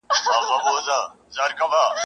که پر مځکه ګرځېدل که په اوبو کي ..